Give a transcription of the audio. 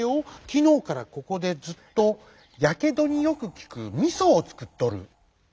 きのうからここでずっとやけどによくきくみそをつくっとる」。